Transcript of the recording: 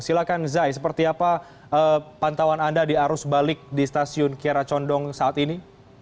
silahkan zay seperti apa pantauan anda di arus balik di stasiun kiara condong saat ini